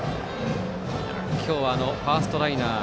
今日はファーストライナー